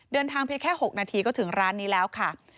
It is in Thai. เพียงแค่๖นาทีก็ถึงร้านนี้แล้วค่ะ